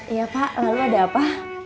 iya pak lalu ada apa